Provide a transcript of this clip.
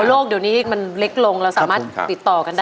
โลกเดี๋ยวนี้มันเล็กลงเราสามารถติดต่อกันได้